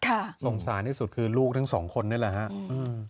สงสารที่สุดคือลูกทั้งสองคนนี่แหละฮะอืม